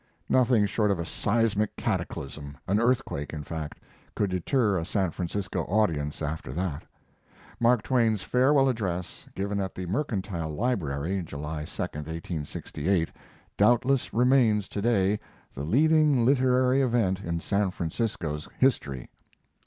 Nothing short of a seismic cataclysm an earthquake, in fact could deter a San Francisco audience after that. Mark Twain's farewell address, given at the Mercantile Library July 2 (1868), doubtless remains today the leading literary event in San Francisco's history.